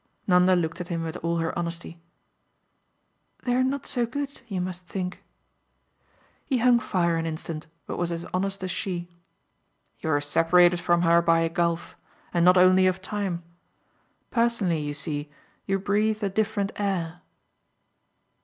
Nanda looked at him with all her honesty. "They're not so good, you must think." He hung fire an instant, but was as honest as she. "You're separated from her by a gulf and not only of time. Personally, you see, you breathe a different air."